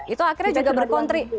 itu akhirnya juga berkontri